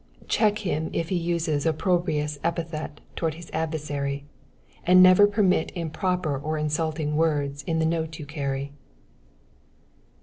Check him if he uses opprobrious epithet towards his adversary, and never permit improper or insulting words in the note you carry.